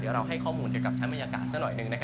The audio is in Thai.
เดี๋ยวเราให้ข้อมูลเกี่ยวกับชั้นบรรยากาศซะหน่อยหนึ่ง